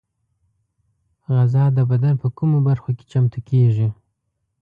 غذا د بدن په کومو برخو کې چمتو کېږي؟